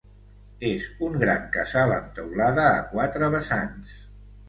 És un gran casal amb teulada a quatre vessants.